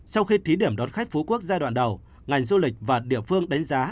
sau khi thí điểm đón khách phú quốc giai đoạn đầu ngành du lịch và địa phương đánh giá